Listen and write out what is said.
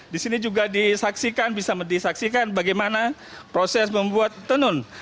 di sini juga disaksikan bisa disaksikan bagaimana proses membuat tenun